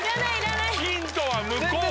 ヒントは向こう！